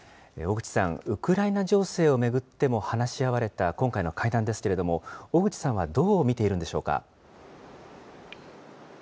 小口さん、ウクライナ情勢を巡っても話し合われた今回の会談ですが、小口さんはどう見ているんでしょうか。